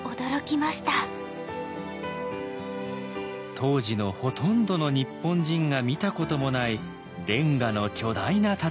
当時のほとんどの日本人が見たこともないレンガの巨大な建物。